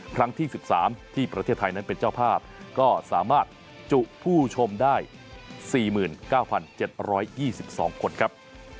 ครั้งที่๑๓ที่ประเทศไทยนั้นเป็นเจ้าภาพก็สามารถจุผู้ชมได้๔๙๗๒๒คนครับ